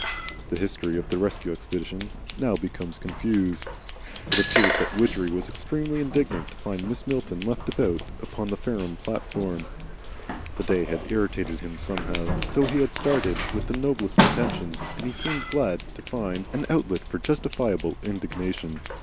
The history of the Rescue Expedition now becomes confused. It appears that Widgery was extremely indignant to find Mrs. Milton left about upon the Fareham platform. The day had irritated him somehow, though he had started with the noblest intentions, and he seemed glad to find an outlet for justifiable indignation.